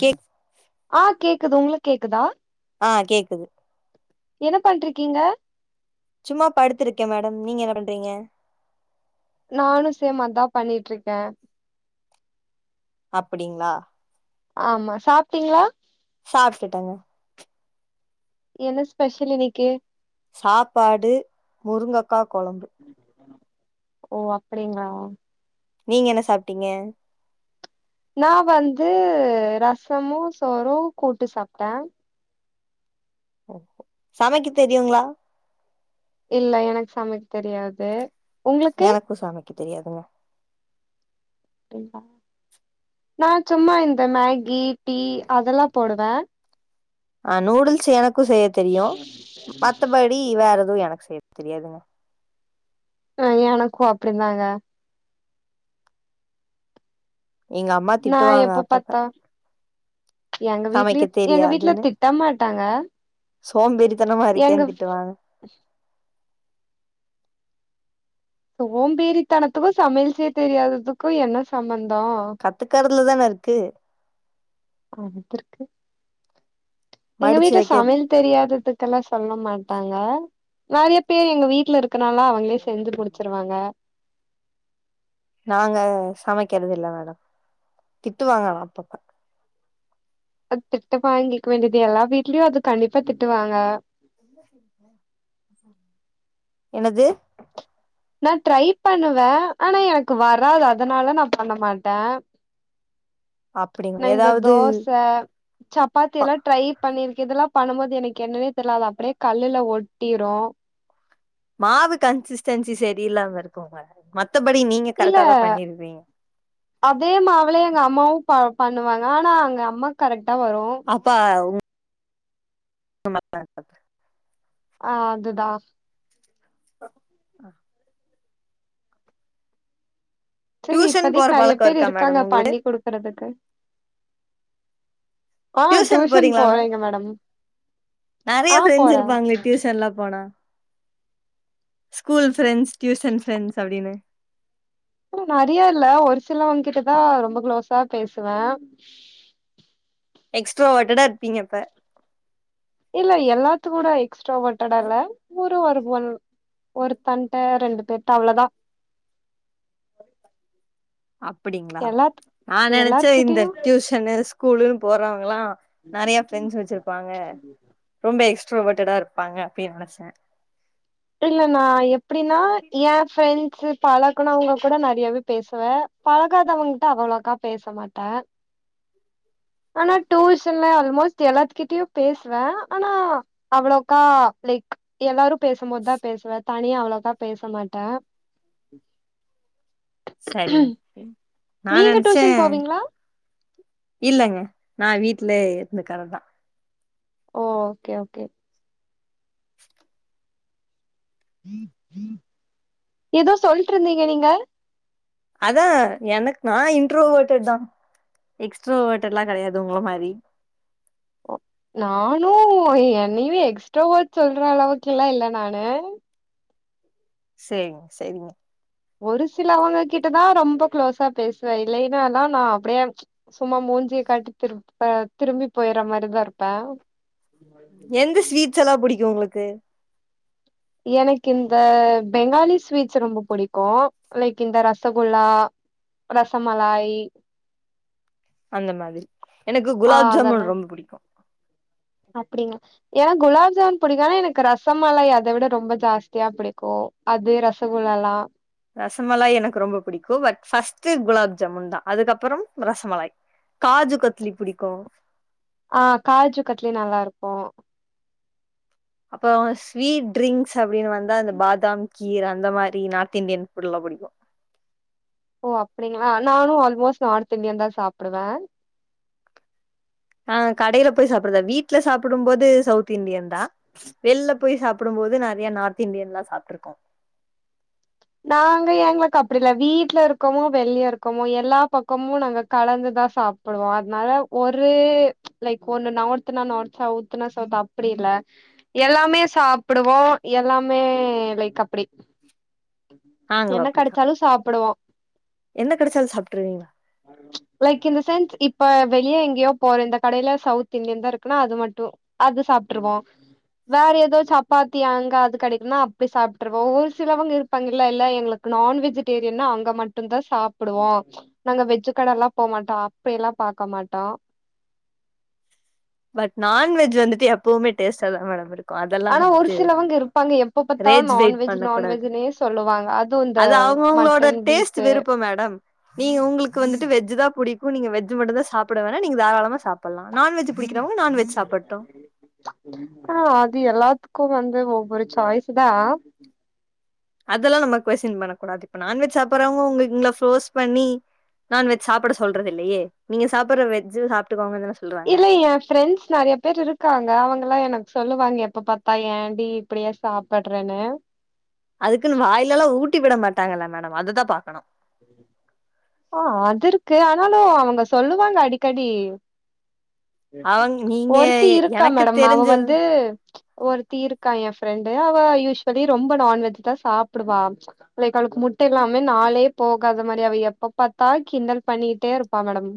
Cake அ கேக்குது உங்ளுக்கு கேக்குதா அ கேக்குது என்ன பண்ட்டிருக்கீங்க சும்மா படுத்திருக்கே மேடம் நீங்க என்ன பண்றீங்க நானு சேம் அதா பண்ணிட்டு இருக்கே அப்டிங்ளா ஆமா சாப்ட்டீங்ளா சாப்பிட்டுட்டேங்க என்ன ஸ்பெஷல் இன்னிக்கி சாப்பாடு முருங்கக்கா கொழம்பு ஓ அப்டிங்ளா நீங்க என்ன சாப்பிட்டீங்க நா வந்து ரசமு சோறு கூட்டு சாப்ட்டே ஓஹோ சமைக்க தெரியுங்ளா இல்ல எனக்கு சமைக்க தெரியாது உங்களுக்கு எனக்கு சமைக்க தெரியாதுங்க நா சும்மா இந்த மேகி டீ அதெல்லா போடுவே அ நூடுல்ஸ் எனக்கு செய்ய தெரியு மத்தபடி வேற எதுவு எனக் செய்யத் தெரியாதுங்க அ எனக்கு அப்டிந்தாங்க எங்க அம்மா நா திட்டுவாங்க எப்ப அப்பப்ப பாத்தா எங்க சமைக்க வீட்லயு எங்க வீட்ல திட்ட மாட்டாங்க சோம்பறித்தனமா எங்க இருக்கேனு திட்டு வாங்க சோம்பேறித்தனத்துக்கு சமையல் செய்ய தெரியாததுக்கு என்ன சம்மந்தோ தானே இருக்கு அது இருக்கு எங்க மடிச்சு வீட்ல வைக்க சமையல் தெரியாத க்கெல்லா சொல்ல மாட்டாங்க நெறைய பேர் எங்க வீட்ல இருக் க்கனாலா அவங்களே செஞ்சு முடிச்சிருவாங்க நாங்க சமைக்கறதில்ல மேடம் திட்டு வாங்கனு அப்பப்ப அ திட்டு வாங்கிக்க வேண்டியது எல்லா வீட்லயு அது கண்டிப்பா திட்டுவாங்க என்னது நா ட்ரை பண்ணுவே ஆனா எனக்கு வராது அதுனால நா பண்ண மாட்ட நா அப்டிங்களா இந்த ஏதாவது தோச சப்பாத்தி பா எல்லா ட்ரை பண்ணிருக் இதெல்லா பண்ணும்போது எனக்கு என்னன்னே தெரியது அப்டியே கல்லுல ஒட்டிரு மாவு கன்சிஸ்டன்சி செரியில்லாம இருக்கும்ங்க மத் இல்ல அதே மாவுலயே எங்க அம்மாவு ப்பா பண்ணுவாங்க ஆனா அங்க அம்மா கரெக் அப்ப உ மத்தாபடி அ அதுதா ஆஹ செரி டியூஷன் போற இப்பதைக்கு நெறைய பழக்கோ பேர் இருக்கா இருக்காங்க மேடம் உங்களுக்கு பண்ணி குடுக்குறதுக்கு அ டியூஷன் போறேங்க மேடம் நெறைய ஆ ஃப்ரெண்ட்ஸ் போறே இருப்பாங்களே டியூசன்ல்லா போனா ஸ்கூல் ஃப்ரெண்ட்ஸ் டியூசன் ஃப்ரெண்ட்ஸ் அப்டின்னு நெறைய இல்ல ஒரு சிலவங்கிட்டதா ரொம்ப குளோஸா பேசுவ [unintelligible] எக்ஸ்ட்ராவோட்டடா இருப்பீங்க அப்ப இல்ல எல்லாத்து கூட எக்ஸ்ட்ராவோட்டடா இல்ல ஒரு ஒன் ஒருதன்ட ரெண்டு பேர்ட்ட அவ்ளோதா அப்பிடிங்களா எல்லாத் நா நெனைச்சே இந்த எல்லாத்கிட்டயு டியூஷன்ன ஸ்கூலுன்னு போறாவங்கள்ளா நெறைய ஃப்ரரெண்ட்ஸ் வெச்சிருப்பாங்க ரொம்ப எக் ட்ரோவோட்டா இருப்பாங்க அப்டின்னு நெனைச்சே இல்ல நா எப்டின்னா ஏ ஃப்ரண்ட்சு பழக்கணும்வங்க கூட நெறையாவே பேசுவ பழகாதவங்கிட்ட அவ்ளோக்கா பேச மாட்ட ஆனா டியூஷன்ல ஆல்மோஸ்ட் எல்லாத்துக்கிட்டயு பேசுவ ஆனா அவ்ளோக்கா லைக் எல்லாரு பேசும்போது தா பேசுவ தனிய அவ்ளோக்கா பேச மாட்ட [inaudible] செரிங் நா நீங்க நெனைச்ச டியூஷன் போவீங்களா இல்லங்க நா வீட்லயே இருந்துக்கிறதுதா ஓ ஓகே ஓகே [unintelligible] ஏதோ சொல்ட்டு இருந்தீங்க நீங்க அதா எனக்கு நா இன்ட்ரோவோட்டர் தா எக்ஸ்ட்ராவோட்டர் எல்லா கெடையாது உங்கள மாதிரி ஒ நானு என்னயு எக்ஸ்ட்ராவோட் சொல்ற அளவுக்கெல்லா இல்ல நானு சேரிங் சேரிங் ஒரு சில அவங்க கிட்டதா ரொம்ப குளோஸா பேசுவே இல்லைன்னா நா அப்டியே சும்மா மூஞ்சிய காட்டி திரு திரும்பி போய்ற மாதிரிதா இருப்ப எந்த ஸ்வீட்ஸ் எல்லா புடிக்கு உங்ளுக்கு எனக்கு இந்த பெங்காலி ஸ்வீட்ஸ் ரொம்ப பிடிக்கு லைக் இந்த ரசகுல்லா ரசமலாய் அந்த மாதிரி எனக்கு ஆ குலாப் அதெல்லா ஜாமுன் ரொம்ப புடிக்கு ஏனா குலாப் ஜாமன் புடிக்கு ஆனா எனக்கு ரசமலாய் அத விட ரொம்ப ஜாஸ்தியா புடிக்கு அது ரசகு ல்லா ரசமலாய் எனக்கு ரொம்ப பிடிக்கு பட் ஃபர்ஸ்ட் குலாப் ஜாமுன் தா அதுக்கப்புறம் ரசமுலாய் காஜு கட்லி புடிக்கு ஆ காஜு கட்லி நல்லாருக்கு அப்பற ஸ்வீட் ட்ரிங்க்ஸ் அப்டின் வந்தா அந்த பாதாம் கீர் அந்த மாரி நார்த் இன்டியன் ஃபுட் ல புடிக்கு ஓ அப்டிங்ளா நானு அல்மோஸ்ட் நார்த் இன்டியன் தா சாப்புடுவ ஆ கடையில போய் சாப்டறதா வீட்ல சாப்டும் போது சவுத் இண்டியன் தா வெளில போய் சாப்புடும் போது நறையா நார்த் இன்டியன்லா சாப்ட்ருக்கோ [unintelligible] நாங்க எங்ளுக்கு அப்டி இல்ல வீட்ல இருக்கமோ வெளிய இருக்கமோ எல்லா பக்கமு நாங்க கலந்து தா சாப்புடுவோ அதனால ஒரு லைக் ஒண்ணு நார்த்துனா நார்த் சௌத்துனா சௌத் அப்பிடி இல்ல எல்லாமே சாப்புடுவோ எல்லாமே லைக் அப்பிடி நாங்களு அப்படித்தா என்ன கெடைச்சாலு சாப்ட்டுருவிங்ளா லைக் இன் த சென்ஸ் இப்ப வெளியே எங்கயோ போற இந்த கடையில சவுத் இண்டியன் தா இருக்குனா அது மட்டு அது சாப்ட்ருவோ வேற ஏதோ சப்பாத்தி அங்க அது கெடைக்குனா அப்டி சாப்ட்ருவோ ஒரு சிலவங்க இரு பங்கால்ல இல்ல எங்களுக்கு நான் வெஜிடேரியன்னா அங்க மட்டுந்தா சாப்டுவோ நாங்க வெஜு கட எல்லா போ மாட்டோ அப்பயெல்லா பாக்க மாட்டோ பட் நான்வெஜ் வந்துட்டு எப்பவுமே டேஸ்டா தா மேடம் இருக் ஆனா ஒரு சிலவங்க இருப்பாங்க எப்ப பாத்தாலு ரேஜ் வெயிட் நான்வெஜ் பண்ண நான்வெஜ்னே சொல்லுவாங்க அது இந்த அவுங்கவுங்களோட மட்டன் பீஃப் டேஸ்ட் விருப்ப மேடம் நீங்க உங்களுக்கு வந்துட்டு வெஜ் தா புடிக்கு நீங்க வெஜ் மட்டுந்தா சாப்டுவேனா நீங்க தாராளமா சாப்படலா நான்வெஜ் புடிக்கிறவங்க நான்வெஜ் சாப்பட்டு ஓ அது எல்லாத் கு வந்து ஒவ்வொரு சாய்ஸ் தா இதெல்லா நம்ம கொஸின் பண்ணக்கூடாது இப்ப நான்வெஜ் சாப்படறவங்க உங் உங்கள ஃப்ரோஸ் பண்ணி நான்வெஜ் சாப்பட சொல்றது இல்லையே நீங்க சாப்படற வெஜ்ஜு சாப்ட்டுக்கோங்கன்தான இல்ல எ ஃப்ரெண்ட்ஸ் நெறைய பேர் இருக்காங்க அவங்கல்லா எனக் சொல்லுவாங்க எப்ப பாத்தா ஏண்டி இப்டியா சாப்படறேனு அதுக்குனு வாய்ல எல்லா ஊட்டி விட மாட்டாங்கல்ல மேடம் அதுதா பாக்கணு உஹம் ஆ அது இருக்கு ஆனாலு அவங்க சொல்லுவாங்க அடிக்கடி அவங்க நீங்க ஒருத்தி இருக்கா எனக்கு மேடம் அவ தெரிஞ்ச வந்து ஒருத்தி இருக்கா எ ஃப்ரெண்டு அவ யூஸ்வலி ரொம்ப நான்வெஜ் தா சாப்பிடுவா லைக் அவுளுக் முட்டை இல்லாமே நாளே போகாத மாரி அவ எப்ப பாத்தா கிண்டல் பண்ணிட்டே இருப்பா மேடம்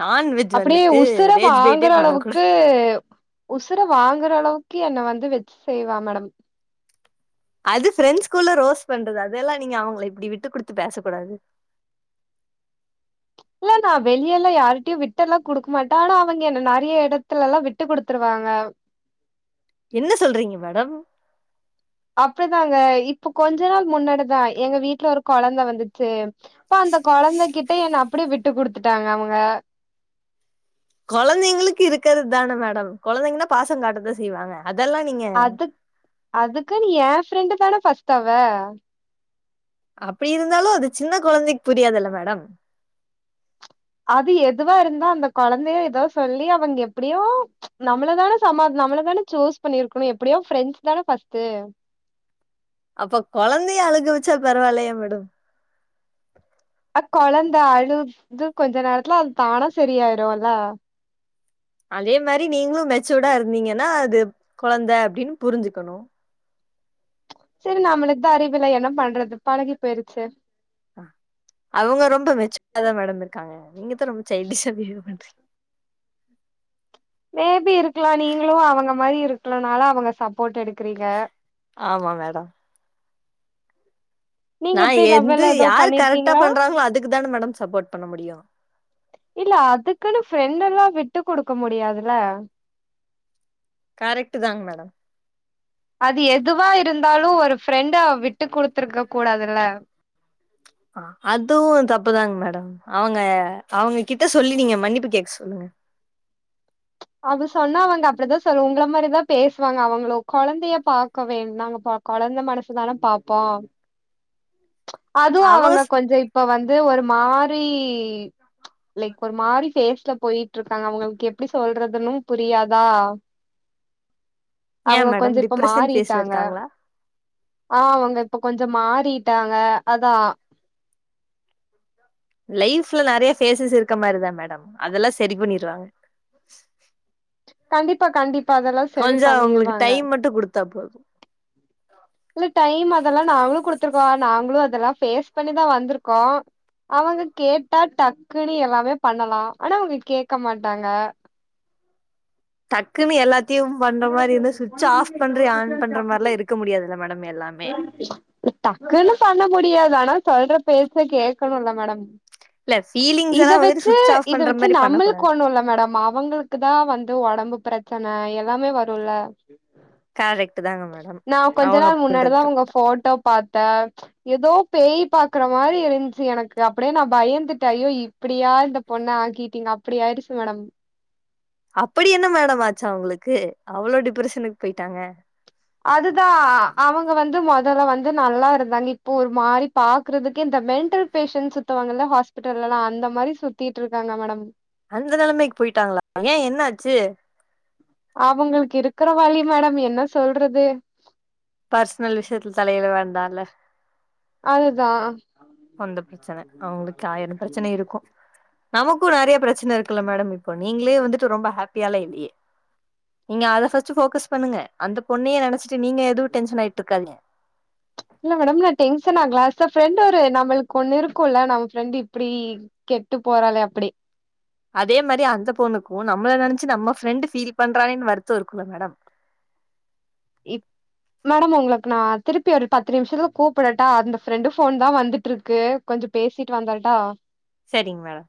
நா அப்படியே உசுர வாங்கற அளவுக்கு உசுர வாங்கற அளவுக்கு என்ன வந் து வெச்சு செய்வா மேடம் அது ஃபிரெண்ஸ்குள்ள ரோஸ் பண்றது அதெல்லா நீங்க அவங்கள இப்பிடி விட்டு குடுத்து பேச கூடாது இல்ல நா வெளியெல்லா யாருட்டயு விட்டெல்லா குடுக்க மாட்டே ஆனா அவங்க என்ன நெறைய எடத்துலல்லா விட்டுக் குடுத்துருவாங்க என்ன சொல்றிங்க மேடம் அப்டிதாங்க இப்ப கொஞ்ச நாள் முன்னாடிதா எங்க வீட்ல ஒரு கொழந்த வந்துச்சு அப்ப அந்த கொழந்தைகிட்ட என்ன அப்டிய விட்டுக் குடுத்துட்டாங்க அவங்க கொழந்தைங்களுக்கு இருக்றதான மேடம் கொழந்தைங்கனா பாசங் காட்டத்தா செய் செய்வாங்க அதெல்லா நீங்க அதுக்குன் எ ஃப்ரெண்டு தானே ஃபஸ்ட்டு அவ அப்டி இருந்தாலு அது சின்ன கொழந்தைக்கு புரியாதுல மேடம் அது எதுவா இருந்தா அந்த கொழந்தைய எதோ சொல்லி அவுங்க எப்டியு நம்மளதான சமாத் நம்மளதான சூஸ் பண்ணிருக்கணு எப்டியோ ஃப்ரெண்ட்ஸ் தான ஃபஸ்ட்டு அப்ப கொழந்தைய அழுக வச்சா பரவால்லயா மேடம் அ கொழந்த அழுது கொஞ்ச நேரத்துல அது தானா சரியாயிடுல அதே மாரி நீங்களு மெச்சூடா இருந்தீங்கனா அது கொழந்த அப்டினு புரிஞ்சுக்கணு செரி நம்மளுக்குதா அறிவில்ல என்ன பண்றது பழகி போயிருச்சு ஆ அவ்ங்க ரொம்ப மெச்சூடா தா மேடம் இருக்காங்க நீங்கதா ரொம்ப சைல்டிஷா பிகேவ் பண்றீங் மே பி இருக்லா நீங்களு அவங்க மாரி இருக்குறனால அவங்க சாப் போட்டு எடுக்கறீங்க ஆமா மேடம். நீங்க நா எப்டி என்ந்து லவ்வெல்லா ஏதோ யாரு கரெக்டா பண்ணிருக்கீங்களா பண்றாங்ளோ அதுக்கு தான மேடம் சப்போர்ட் பண்ண முடியு இல்ல அதுக்குன்னு ஃப்ரெண்டெல்லா விட்டு கொடுக்க முடியாதுல கரெக்ட்டுதாங்க மேடம் அது எதுவா இருந்தாலு ஒரு ஃப்ரெண்ட விட்டு குடுத்துருக்க கூடாதுல ஆ அதுவு தப்புதாங்க மேடம் அவ்ங்க அவ்ங்க கிட்ட சொல்லி நீங்க மன்னிப்பு கேக்க சொல்லுங்க அது சொன்னா அவங்க அப்டிதா சொல்லுவாங் உங்கள மாரிதா பேசுவாங்க அவங்களு கொழந்தைய பாக்க வேண்டாங்கபா கொழந் ந்த மனசுதானே பாப்போ அதுவு அவங்க கொஞ்சொ இப்ப வந்து ஒரு மா ரி லைக் ஒரு மாரி ஃபேஸ்ல போயிட்ருக்காங்க அவங்களுக்கு எப்டி சொ சொல்றதுனு புரியாதா ஏ அவ்ங்க கொஞ்ச மேடம் இப்ப டிப்ரஷன் ஃபேஸ்ல மாறிட்டாங்க இருக்காங்களா ஆ அவ்ங்க இப்ப கொஞ்ச மாறிட்டாங்க அதா லைஃப்ல நெறைய ஃபேசஸ் இருக்க மாரிதா மேடம் அதெல்லா செரி பண்ணிருவாங்க கண்டிப்பா கண்டிப்பா அதெல்லா செரி கொஞ்சோ அவங்களுக்கு பண்ணிருவாங்க டைம் மட்டு குடுத்தா போது இல்ல டைம் அதெல்லா நாங்களு குடுத்துருக்கோ நாங்களு அதெல்லா ஃபேஸ் பண்ணிதா வந்திருக்கோ அவுங்க கேட்டா டக்குன்னு எல்லாமே பண்ணலா ஆனா அவங்க கேக்க மாட்டாங்க டக்குன்னு எல்லாத்தையும் பண்ண மாரி இருந்தா சுவிட்ச்ச ஆஃப் பண்று ஆன் பண்ற மார்லா இருக்க முடியாதுல்ல மேடம் எல்லாமே டக்குன்னு பண்ண முடியாது ஆனா சொல்ற பேச்ச கேக்கணுல மேடம் பிளஸ் இத வச்சு இத வச்சு நம்ளுக்கு கூடாது ஒன்னு இல்ல மேடம் அவங்களுக்கு தா வந்து ஒடம்புப் பிரச்சன எல்லாமே வருல கரெக்ட்டுதாங்க மேடம் அவ்ங்க இந்த இப்பதா ஒங்க ஃபோட்டோ பாத்தே எதோ பேய் பாக்குற மாரி இருந்ச்சு எனக்கு அப்டே நா பயந்துட்டே ஐயோ இப்டியா இந்த பொ ண்ண ஆக்கிட்டீங்க அப்டி ஆயிருச்சு மேடம் அப்டி என்ன மேடம் ஆச்சு அவ்ங்களுக்கு அவளோ டிப்ரஷனுக்கு போயிட்டாங்க அதுதா அவுங்க வந்து மொதல்ல வந்து நல்லா இருந்தாங்க இப்போ ஒரு மாரி பாக்குறதுக்கே இந்த மெண்ட்டல் பேஷன்ட் சுத்துவாங்கல்ல ஹாஸ்பிட்டல்லலா அந்த மாரி சுத்திட்ருக்காங்க மேடம் அந்த நெலமைக்கு போயிட்டாங்ளா ஏ என்னாச்சு அவுங்களுக்கு இருக்குற வலி மேடம் என்ன சொல்றது பர்ஸ்னல் விஷ்யத்துல தலையிட வேண்டால்ல அதுதா சொந்த பிரச்சன அவ்ங்களுக்கு ஆயிர பிரச்சன இருக்கு நமக்கு நெறைய பிரச்சன இருக்குல்ல மேடம் இப்ப நீங்ளே வந்துட்டு ரொம்ப ஹாப்பியாலா இல்லையே நீங்க அத ஃபஸ்ட்டு ஃபோக்கஸ் பண்ணுங்க அந்த பொண்ணையே நெனச்சிட்டு நீங்க எதுவு டென்ஷன் ஆயிட்ருக்காதீங்க இல்ல மேடம் நா டென்ஷன் ஆகலா அஸ் அ ஃப்ரெண்ட் ஒரு நம்மளுக்கு ஒன்னு இருக்குல்ல நம்ம ஃப்ரெண்டு இப்டி கே கெட்டு போறாளே அப்டி அதே மாரி அந்த பொண்ணுக்கு நம்மள நெனைச்சு நம்ம ஃப்ரெண்டு் ஃபீல் பண்றாலேனு வருத்தோ இருக்குல்ல மேடம் இப் மேடம் உங்களுக்கு நா திருப்பி ஒரு பத்து நிமிஷத்துல கூப்பிடட்டா அந்த ஃப்ரெண்டு ஃபோன் தா வந்துட்டு இருக்கு கொஞ் ரு பேசிட்டு வந்தரட்டா செரிங் மேடம்